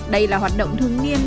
đây là hoạt động thường niên